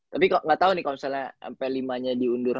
tapi ga tau nih kalo misalnya mp lima nya diundur